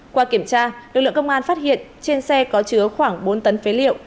qua kiểm tra lực lượng công an phát hiện trên xe có chứa khoảng bốn tấn phế liệu